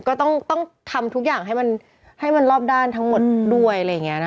ก็ต้องทำทุกอย่างให้มันรอบด้านทั้งหมดด้วย